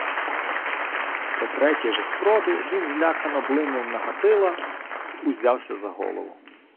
По третій же спробі він злякано блимнув на Гатила й узявся за голову: